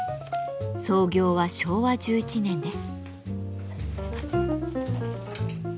創業は昭和１１年です。